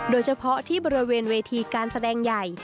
โดยเฉพาะที่บริเวณเวทีการแสดงใหญ่